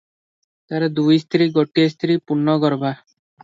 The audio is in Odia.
ତାହାର ଦୁଇ ସ୍ତ୍ରୀ, ଗୋଟିଏ ସ୍ତ୍ରୀ ପୂର୍ଣ୍ଣଗର୍ଭା ।